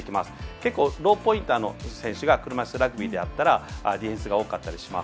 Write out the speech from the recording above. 結構、ローポインターの選手が車いすラグビーであったらディフェンスが多かったりします。